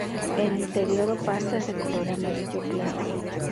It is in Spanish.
El interior o pasta es de color amarillo claro.